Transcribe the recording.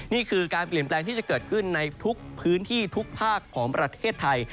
นี่คือการเปลี่ยนแปลงที่จะเกิดขึ้นในทุกพื้นที่ทุกภาคของประเทศไทย